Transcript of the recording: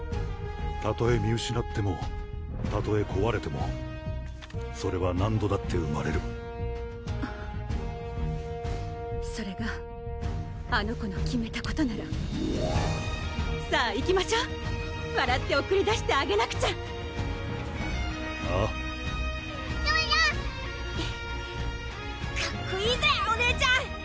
たとえ見うしなってもたとえこわれてもそれは何度だって生まれるそれがあの子の決めたことならさぁ行きましょうわらって送り出してあげなくちゃああそらかっこいいぜお姉ちゃん！